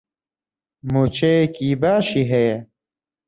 مووچەیەکی باشی هەیە.